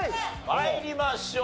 参りましょう。